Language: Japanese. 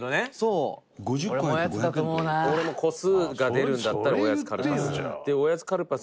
トシ：俺も個数が出るんだったらおやつカルパス。